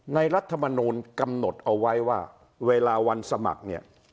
รัฐมนูลกำหนดเอาไว้ว่าเวลาวันสมัครเนี่ย